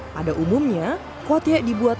pada umumnya kuotie dibuat